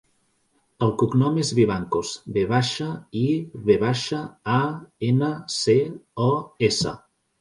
El cognom és Vivancos: ve baixa, i, ve baixa, a, ena, ce, o, essa.